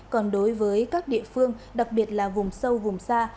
còn đối với các địa phương đặc biệt là vùng sâu vùng xa